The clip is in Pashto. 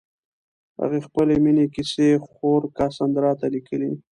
هغې خپلې مینې کیسې خور کاساندرا ته لیکلې.